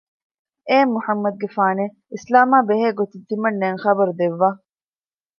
އޭ މުޙައްމަދުގެފާނެވެ! އިސްލާމާ ބެހޭ ގޮތުން ތިމަންނާއަށް ޚަބަރު ދެއްވާ